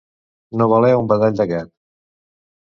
No valer un badall de gat.